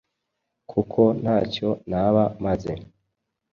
kuko ntacyo naba maze